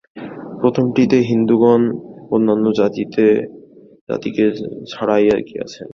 প্রথমটিতে হিন্দুগণ অন্যান্য জাতিকে ছাড়াইয়া গিয়াছেন।